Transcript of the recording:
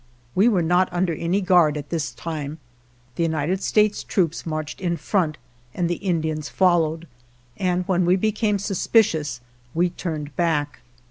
We were not under any guard at this time. The United States troops marched in front and the Indians followed, and when we became suspicious, we turned back.